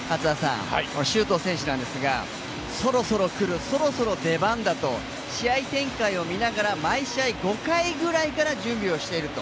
周東選手なんですがそろそろ来る、そろそろ出番だと試合展開を見ながら毎試合、５回ぐらいから準備をしていると。